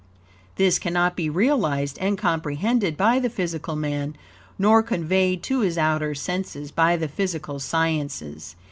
This cannot be realized and comprehended by the physical man, nor conveyed to his outer senses by the physical sciences.